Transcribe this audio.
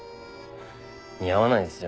似合わないですよ。